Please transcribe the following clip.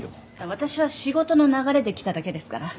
私は仕事の流れで来ただけですから。